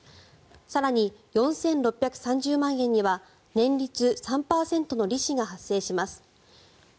更に４６３０万円には年率３％の利子が発生します。